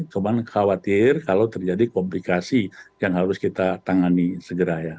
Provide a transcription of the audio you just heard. cuma khawatir kalau terjadi komplikasi yang harus kita tangani segera ya